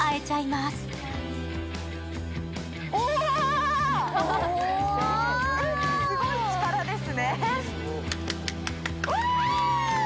すごい力ですね。